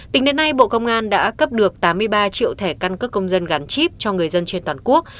tính đến nay bộ công an đã cấp được tám mươi ba triệu thẻ căn cước công dân gắn chip cho người dân trên toàn quốc